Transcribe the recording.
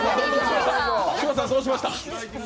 柴田さん、どうしました？